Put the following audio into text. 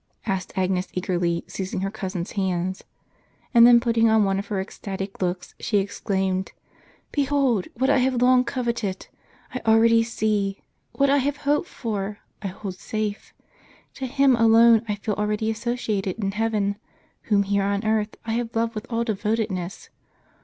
" asked Agnes eagerly, seizing her cousin's hands. And then putting on one of her ecstatic looks, she exclaimed, "Behold, what I have long coveted, I already see; what I have hoped for, I hold safe; to Him alone I feel already associated in heaven, whom here on earth I have loved with all devotedness.